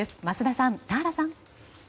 桝田さん、田原さん